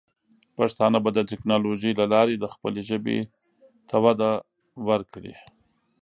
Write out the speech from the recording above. پښتانه به د ټیکنالوجۍ له لارې د خپلې ژبې ته وده ورکړي.